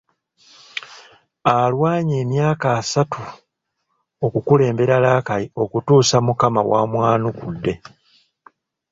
Alwanye emyaka asatu okukulembera Rakai okutuusa Omukama w’amwanukudde .